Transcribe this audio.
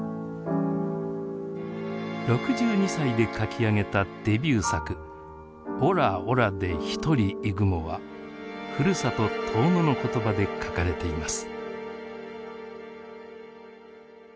６２歳で書き上げたデビュー作「おらおらでひとりいぐも」はふるさと遠野の言葉で書かれています。